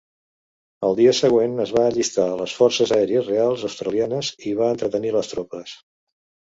El dia següent es va allistar a les Forces Aèries Reals Australianes i va entretenir les tropes.